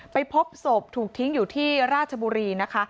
พบศพถูกทิ้งอยู่ที่ราชบุรีนะคะ